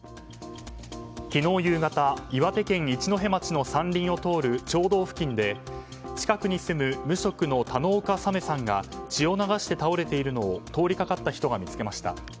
昨日夕方、岩手県一戸町の山林を通る町道付近で近くに住む無職の田之岡サメさんが血を流して倒れているのを通りかかった人が見つけました。